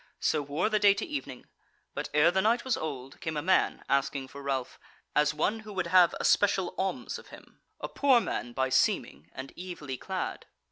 So wore the day to evening; but ere the night was old came a man asking for Ralph, as one who would have a special alms of him, a poor man by seeming, and evilly clad.